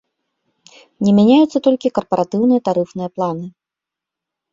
Не мяняюцца толькі карпаратыўныя тарыфныя планы.